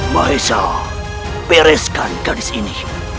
mahesha pereskan gadis ini